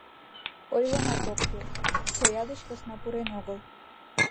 Ойлымат ок кӱл: шоя деч посна пурен огыл.